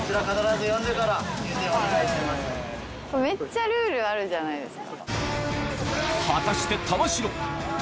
めっちゃルールあるじゃないですか。